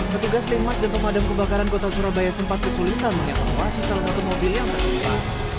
petugas limas dan pemadam kebakaran kota surabaya sempat kesulitan mengevakuasi salah satu mobil yang tertimpa